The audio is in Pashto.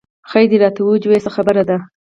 خېر دۍ راته وويه چې څه خبره ده